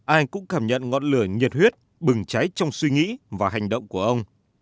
ai cũng cảm nhận ngọn lửa nhiệt huyết bừng cháy trong suy nghĩ và hành động của ông